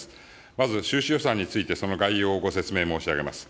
まず収支予算について、その概要をご説明申し上げます。